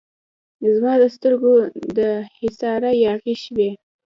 زما د سترګو د حصاره یاغي شوی